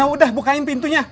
udah bukain pintunya